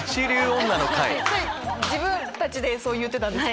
自分たちでそう言ってたんですか？